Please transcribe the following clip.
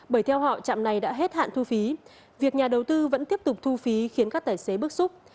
bởi theo họ trạm này đã hết hạn thu phí việc nhà đầu tư vẫn tiếp tục thu phí khiến các tài xế bức xúc